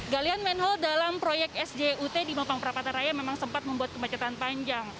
galian menhol dalam proyek sjut di mokang prapata raya memang sempat membuat kemacetan panjang